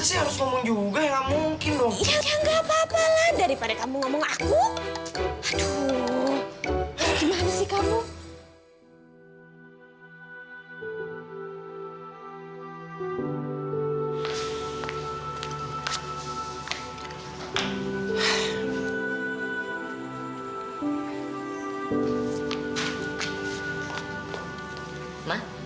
sampai jumpa di video selanjutnya